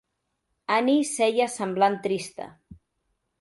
Annie seia semblant trista.